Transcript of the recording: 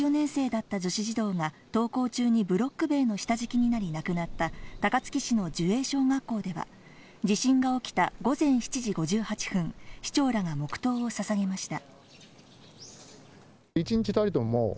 当時小学４年生だった女子児童が登校中にブロック塀の下敷きになり亡くなった高槻市の寿栄小学校では地震が起きた午前７時５８分、市長らが黙祷をささげました。